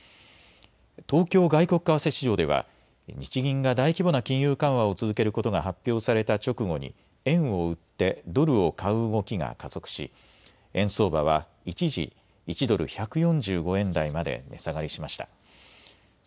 東京外国為替市場では日銀が大規模な金融緩和を続けることが発表された直後に円を売ってドルを買う動きが加速し円相場は一時、１ドル１４５円台まで値下がりしました。